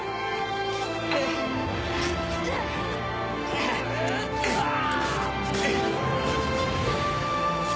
うっあぁ。